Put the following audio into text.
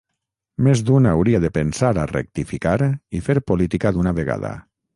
Més d’un hauria de pensar a rectificar i fer política d’una vegada.